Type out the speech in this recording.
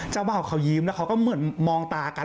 เจ้าบ่าวเค้ายิ้มแล้วเค้าก็เหมือนมองตากัน